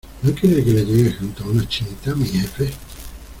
¿ no quiere que le lleve junto a una chinita, mi jefe?...